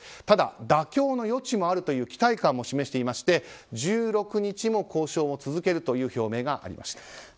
ただ、妥協の余地もあるという期待感も示していまして１６日も交渉を続けるという表明がありました。